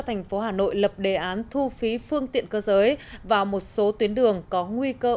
thành phố hà nội lập đề án thu phí phương tiện cơ giới vào một số tuyến đường có nguy cơ